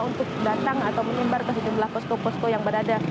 untuk datang atau menyebar ke sejumlah posko posko yang berada